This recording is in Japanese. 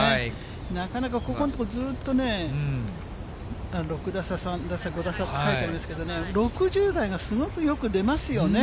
なかなかここのところ、ずっとね、６打差、３打差、５打差と書いてありますけど、６０台がすごくよく出ますよね。